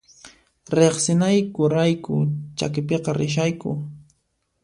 Riqsinayku rayku chakipiqa rishayku